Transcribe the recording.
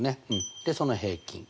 でその平均。